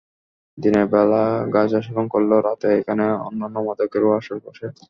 দিনের বেলা গাঁজা সেবন করলেও রাতে এখানে অন্যান্য মাদকেরও আসর বসে।